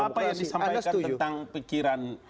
apa yang disampaikan tentang pikiran